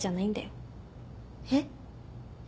えっ？